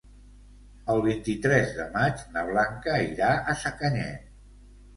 El vint-i-tres de maig na Blanca irà a Sacanyet.